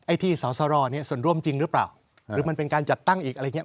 ที่สอสรเนี่ยส่วนร่วมจริงหรือเปล่าหรือมันเป็นการจัดตั้งอีกอะไรอย่างเงี้